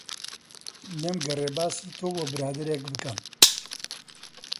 لێمگەڕێ باسی تۆ بۆ برادەرێک بکەم